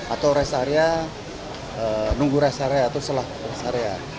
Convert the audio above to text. atau res area nunggu res area atau selah res area